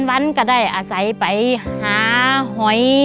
วันก็ได้อาศัยไปหาหอย